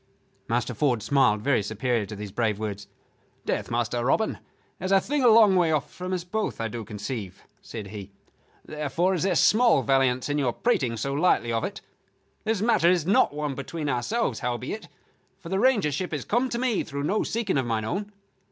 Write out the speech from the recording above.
Master Ford smiled very superior to these brave words. "Death, Master Robin, is a thing a long way off from us both, I do conceive," said he. "Therefore is there small valiance in your prating so lightly of it. This matter is one not between ourselves, howbeit, for the Rangership has come to me through no seeking of mine own.